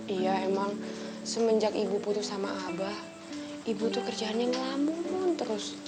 iya emang semenjak ibu putus sama abah ibu tuh kerjaannya ngelamun terus